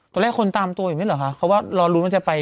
ตอนแรกคนตามตัวอยู่มั้ยหรอคะเค้าว่ารู้มันจะไป